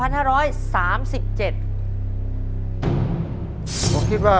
ตัวเลือกที่๔พศ๒๕๓๗